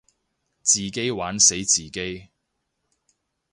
自己玩死自己